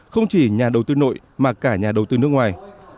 không chỉ nhà đầu tư nội mà cả nhà đầu tư nước ngoài